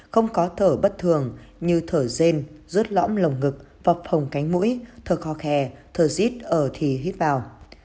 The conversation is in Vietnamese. không có thở bất thường như thở rên rớt lõm lồng ngực vọp hồng cánh mũi thở kho khe thở giít ở thì hít vào